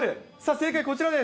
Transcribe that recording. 正解、こちらです。